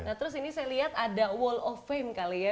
nah terus ini saya lihat ada world of fame kali ya